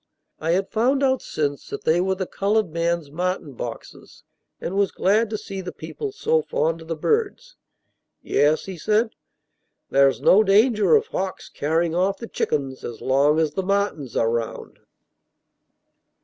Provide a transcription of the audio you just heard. I had found out since that they were the colored man's martin boxes, and was glad to see the people so fond of the birds. "Yes," he said, "there's no danger of hawks carrying off the chickens as long as the martins are round."